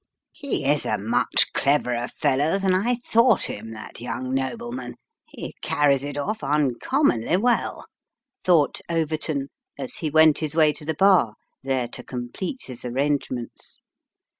" He is a much cleverer fellow than I thought him, that young nobleman he carries it off uncommonly well," thought Overton, as he went his way to the bar, there to complete his arrangements.